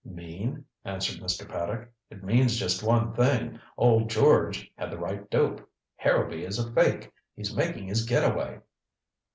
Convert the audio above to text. "Mean?" answered Mr. Paddock. "It means just one thing. Old George had the right dope. Harrowby is a fake. He's making his get away."